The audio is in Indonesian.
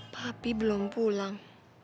papi belum pulang